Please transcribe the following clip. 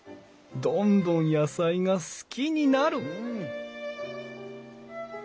どんどん野菜が好きになる！